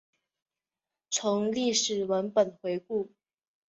从历史文本回顾